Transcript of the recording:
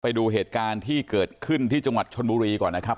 ไปดูเหตุการณ์ที่เกิดขึ้นที่จังหวัดชนบุรีก่อนนะครับ